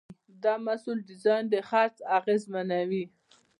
د محصول ډیزاین د خرڅ اغېزمنوي.